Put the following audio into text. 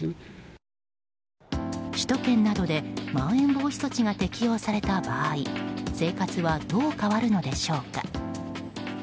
首都圏などでまん延防止措置が適用された場合生活はどう変わるのでしょうか。